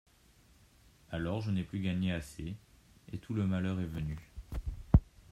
Alors je n’ai plus gagné assez, et tout le malheur est venu.